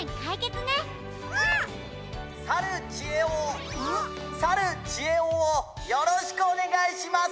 「さるちえおをよろしくおねがいします！